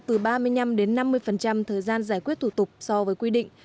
từ ba mươi năm đến năm mươi thời gian giải quyết thủ tục so với quy định